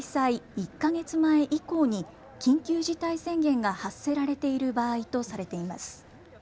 １か月前以降に緊急事態宣言が発せられている場合とされています。